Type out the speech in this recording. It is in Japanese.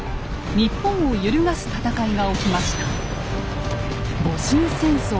日本を揺るがす戦いが起きました。